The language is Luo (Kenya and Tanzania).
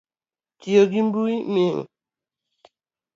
Tiyo gi mbui, miyo ng